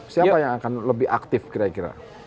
siapa yang akan lebih aktif kira kira